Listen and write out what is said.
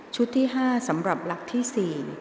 ชุดที่๕สำหรับหลักที่๔